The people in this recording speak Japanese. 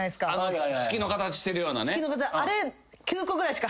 月の形してるようなね。